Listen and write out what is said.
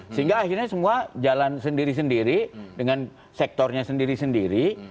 sehingga akhirnya semua jalan sendiri sendiri dengan sektornya sendiri sendiri